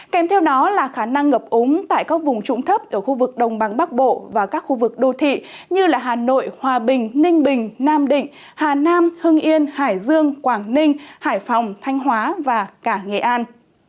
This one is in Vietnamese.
kèm theo đó là khả năng ngập ống tại các vùng trũng thấp ở khu vực đồng bằng bắc bộ và các khu vực đô thị như hà nội hòa bình ninh bình nam định hà nam hưng yên hải dương quảng ninh hải phòng thanh hóa và cả nghệ an